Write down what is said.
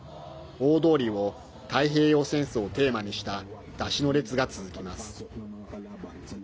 大通りを太平洋戦争をテーマにした山車の列が続きます。